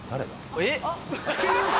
えっ？